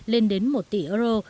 lên đến một tỷ euro